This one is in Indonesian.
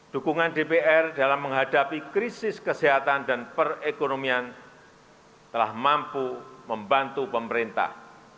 dukungan dpr dalam menghadapi krisis kesehatan dan perekonomian telah mampu membantu pemerintah